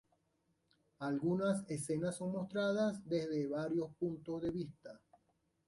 Algunas escenas son mostradas desde varios puntos de vista.